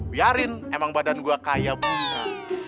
biarin emang badan gue kaya bunga